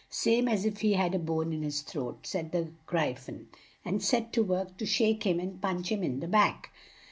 "Same as if he had a bone in his throat," said the Gry phon, and set to work to shake him and punch him in the back.